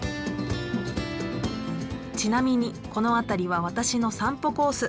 ちなみにこの辺りは私の散歩コース。